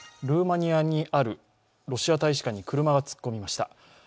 ルーマニアにあるロシア大使館に車が突っ込みました。